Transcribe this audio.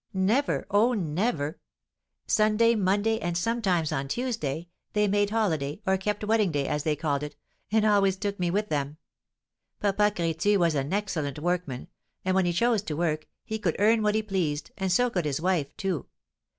"Never, oh, never! Sunday, Monday, and sometimes on Tuesday, they made holiday, or kept wedding day, as they called it, and always took me with them. Papa Crétu was an excellent workman, and, when he chose to work, he could earn what he pleased, and so could his wife, too.